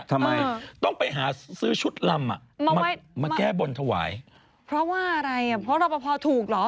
ว่าอะไรอ่ะเพราะรอปภถูกเหรอ